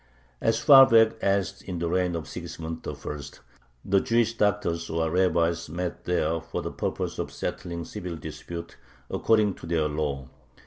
As far back as in the reign of Sigismund I. the "Jewish doctors," or rabbis, met there for the purpose of settling civil disputes "according to their law."